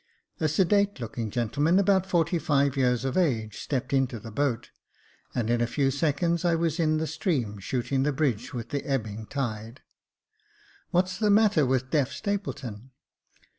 A sedate looking gentleman, about forty five years of age, stepped into the boat, and in a few seconds I was in the stream, shooting the bridge with the ebbing tide. " What's the matter with deaf Stapleton